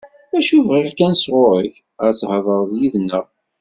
Acu bɣiɣ kan sɣur-k, ad thedreḍ yid-neɣ.